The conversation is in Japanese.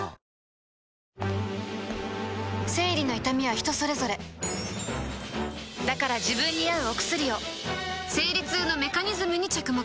生理の痛みは人それぞれだから自分に合うお薬を生理痛のメカニズムに着目